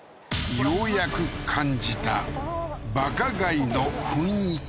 ようやく感じたバカガイの雰囲気